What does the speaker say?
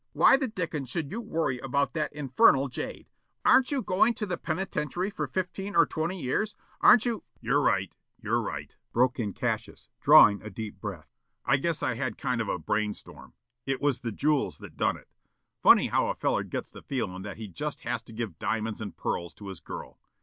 Why the dickens should you worry about that infernal jade? Aren't you going to the penitentiary for fifteen or twenty years? Aren't you " "You're right, you're right," broke in Cassius, drawing a deep breath. "I guess I had a kind of a brainstorm. It was the jewels that done it. Funny how a feller gets the feelin' that he just has to give diamonds and pearls to his girl.